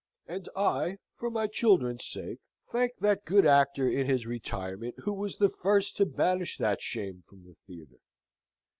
And I, for my children's sake, thank that good Actor in his retirement who was the first to banish that shame from the theatre.